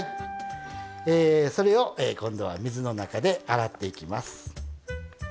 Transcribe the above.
それを水の中で洗っていきます。